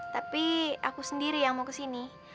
tapi aku sendiri yang mau ke sini